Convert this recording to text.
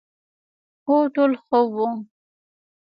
هو، ټول ښه وو،